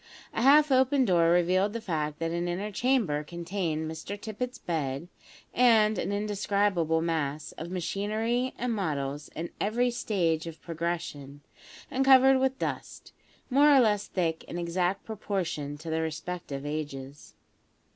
A half open door revealed the fact that an inner chamber contained Mr Tippet's bed, and an indescribable mass of machinery and models in every stage of progression, and covered with dust, more or less thick in exact proportion to their respective ages.